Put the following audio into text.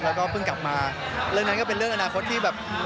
แล้วก็เพิ่งกลับมาเรื่องนั้นก็เป็นเรื่องอนาคตที่แบบ